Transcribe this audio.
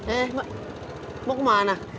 eh mak mau kemana